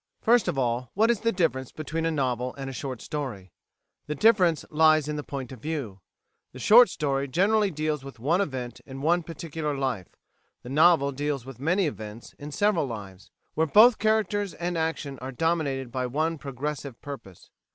First of all, what is the difference between a novel and a short story? The difference lies in the point of view. The short story generally deals with one event in one particular life; the novel deals with many events in several lives, where both characters and action are dominated by one progressive purpose.